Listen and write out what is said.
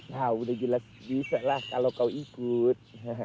ya udah jelas bisa lah kalau kau ikut